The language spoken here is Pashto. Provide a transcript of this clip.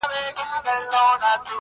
مرګ د زړو دی غم د ځوانانو٫